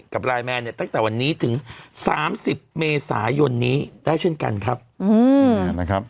กับไลน์แมนเนี้ยตั้งแต่วันนี้ถึงสามสิบเมษายนนี้ได้เช่นกันครับอืมนะครับ